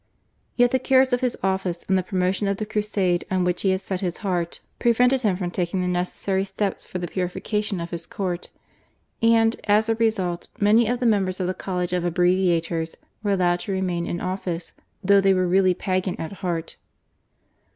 Yet the cares of his office and the promotion of the crusade on which he had set his heart prevented him from taking the necessary steps for the purification of his court, and, as a result, many of the members of the College of Abbreviators were allowed to remain in office though they were really Pagan at heart.